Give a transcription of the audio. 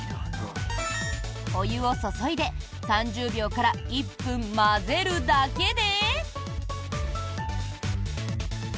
お湯を注いで３０秒から１分混ぜるだけで。